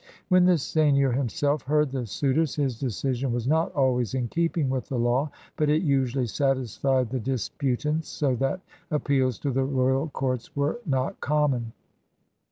When the seigneur himself heard the suitors, his decision was not always in keeping with the law but it usually satisfied the disputants, so that appeals to the royal courts were not common.